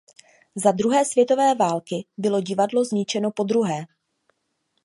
Za druhé světové války bylo divadlo zničeno podruhé.